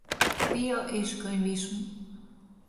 Pia és könyvism.